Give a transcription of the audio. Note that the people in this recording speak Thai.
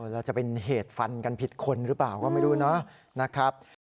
แล้วจะเป็นเหตุฟันกันผิดคนหรือเปล่าก็ไม่รู้นะครับ